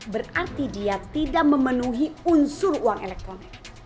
berarti dia tidak memenuhi unsur uang elektronik